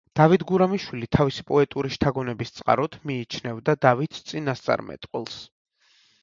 დავით გურამიშვილი თავისი პოეტური შთაგონების წყაროდ მიიჩნევდა დავით წინასწარმეტყველს.